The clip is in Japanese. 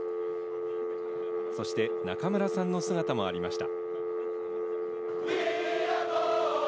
そして、中村さんの姿もありました。